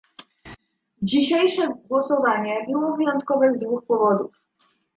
Dzisiejsze głosowanie było wyjątkowe z dwóch powodów